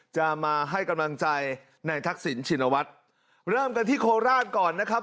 จะมาให้กำลังใจในทักษิณชินวัฒน์เริ่มกันที่โคราชก่อนนะครับ